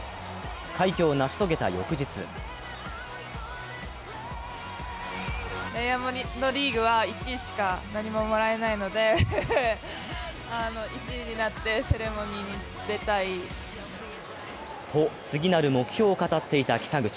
快挙を成し遂げた翌日と、次なる目標を語っていた北口。